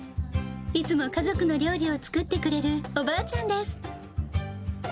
いつも家族の料理を作ってくれるおばあちゃんです。